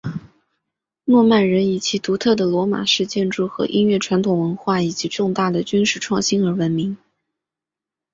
诺曼人以其独特的罗马式建筑和音乐传统文化以及重大的军事创新而闻名。